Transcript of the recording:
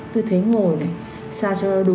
tư thế ngồi xa